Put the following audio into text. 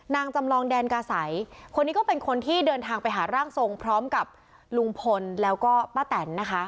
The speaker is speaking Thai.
จำลองแดนกาสัยคนนี้ก็เป็นคนที่เดินทางไปหาร่างทรงพร้อมกับลุงพลแล้วก็ป้าแตนนะคะ